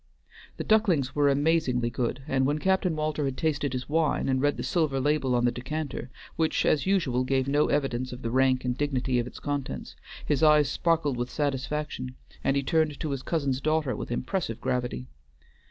The ducklings were amazingly good; and when Captain Walter had tasted his wine and read the silver label on the decanter, which as usual gave no evidence of the rank and dignity of the contents, his eyes sparkled with satisfaction, and he turned to his cousin's daughter with impressive gravity.